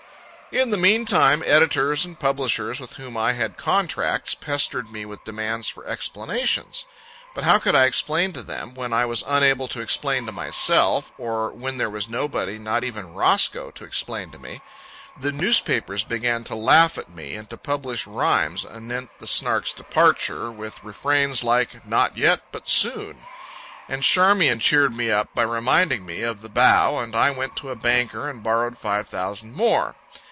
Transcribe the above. In the meantime editors and publishers with whom I had contracts pestered me with demands for explanations. But how could I explain to them, when I was unable to explain to myself, or when there was nobody, not even Roscoe, to explain to me? The newspapers began to laugh at me, and to publish rhymes anent the Snark's departure with refrains like, "Not yet, but soon." And Charmian cheered me up by reminding me of the bow, and I went to a banker and borrowed five thousand more.